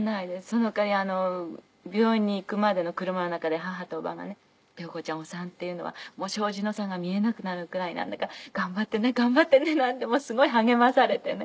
その代わり病院に行くまでの車の中で母とおばがね「良子ちゃんお産っていうのは障子の桟が見えなくなるぐらいなんだから頑張ってね頑張ってね」なんてすごい励まされてね。